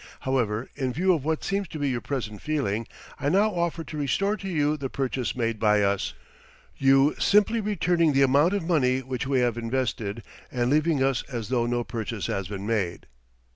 However, in view of what seems to be your present feeling, I now offer to restore to you the purchase made by us, you simply returning the amount of money which we have invested, and leaving us as though no purchase has been made.